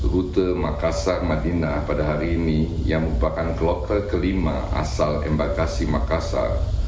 rute makassar madinah pada hari ini yang merupakan kloter kelima asal embakasi makassar